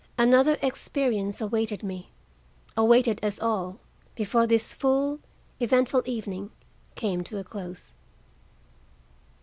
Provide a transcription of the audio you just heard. Another experience awaited me, awaited us all, before this full, eventful evening came to a close.